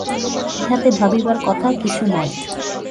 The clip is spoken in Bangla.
ইহাতে ভাবিবার কথা কিছু নাই।